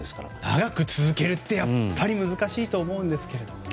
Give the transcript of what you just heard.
長く続けるって難しいと思うんですけどね。